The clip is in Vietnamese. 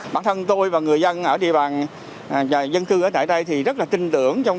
bản thân tôi và người dân ở địa bàn dân cư ở tại đây thì rất là tin tưởng trong